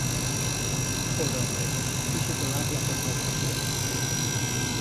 Pobre hombre, iste solaz l'ha tornau fatuo.